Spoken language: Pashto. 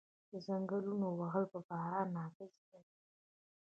د ځنګلونو وهل په باران اغیز لري؟